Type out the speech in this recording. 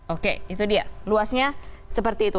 oke itu dia luasnya seperti itu